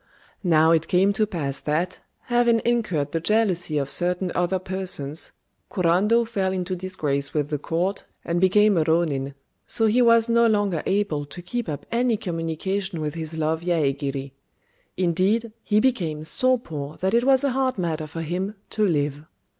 Now it came to pass that, having incurred the jealousy of certain other persons, Kurando fell into disgrace with the Court, and became a Rônin, so he was no longer able to keep up any communication with his love Yaégiri; indeed, he became so poor that it was a hard matter for him to live.